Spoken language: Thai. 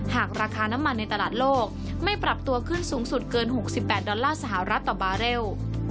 หากราคาน้ำมันในตลาดโลกไม่ปรับตัวขึ้นสูงสุดเกิน๖๘ดอลลาร์สหรัฐต่อบาร์เรล